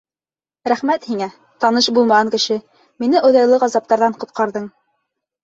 — Рәхмәт һиңә, таныш булмаған кеше, мине оҙайлы ғазаптарҙан ҡотҡарҙың.